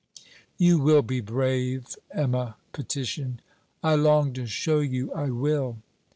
'You will be brave,' Emma petitioned. 'I long to show you I will.'